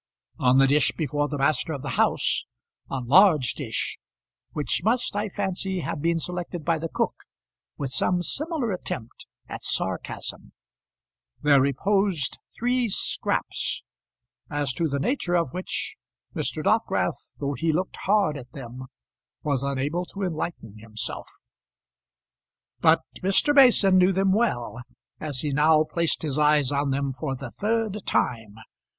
On the dish before the master of the house, a large dish which must I fancy have been selected by the cook with some similar attempt at sarcasm, there reposed three scraps, as to the nature of which Mr. Dockwrath, though he looked hard at them, was unable to enlighten himself. But Mr. Mason knew them well, as he now placed his eyes on them for the third time.